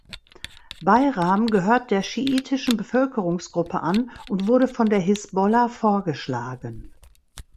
Bayram gehört der schiitischen Bevölkerungsgruppe an und wurde von der Hisbollah vorgeschlagen.